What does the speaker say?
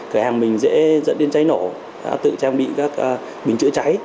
cửa hàng mình dễ dẫn đến cháy nổ tự trang bị các bình chữa cháy